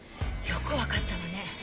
よくわかったわね。